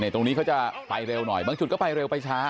ตรงนี้เขาจะไปเร็วหน่อยบางจุดก็ไปเร็วไปช้า